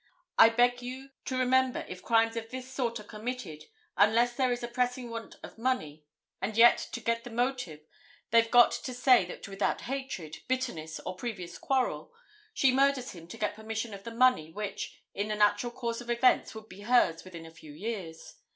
I beg you to remember if crimes of this sort are committed unless there is a pressing want of money. And yet to get the motive they've got to say that without hatred, bitterness or previous quarrel, she murders him to get possession of the money which, in the natural course of events would be hers within a few years.